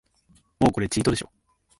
もうこれチートでしょ